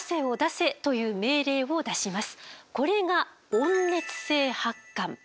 これが温熱性発汗。